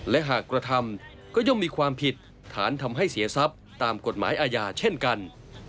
และหากกระทำก็ย่อมมีความผิดฐานทำให้เสียทรัพย์ตามกฎหมายอาญาเช่นกัน